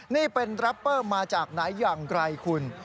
นี่เป็นแรปเปอร์มาจากไหนอย่างไรคุณ